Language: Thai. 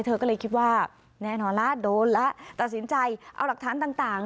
เธอก็เลยคิดว่าแน่นอนแล้วโดนแล้วตัดสินใจเอาหลักฐานต่าง